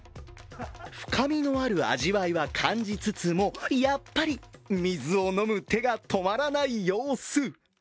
深みのある味わいは感じつつもやっぱり水を飲む手が止まらない様子。